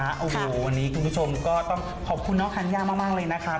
อ่อโหวววทุกคนต้องขอบคุณน้องธัญญามากกก